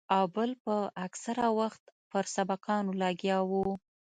او بل به اکثره وخت پر سبقانو لګيا وو.